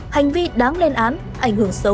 hành vi đáng lên án ảnh hưởng xấu